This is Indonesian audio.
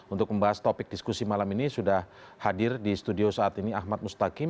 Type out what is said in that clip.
untuk membahas topik diskusi malam ini sudah hadir di studio saat ini ahmad mustaqim